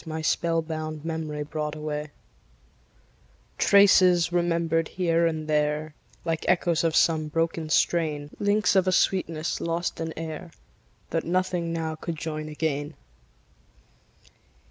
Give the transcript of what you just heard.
My spell bound memory brought away; Traces, remembered here and there, Like echoes of some broken strain; Links of a sweetness lost in air, That nothing now could join again.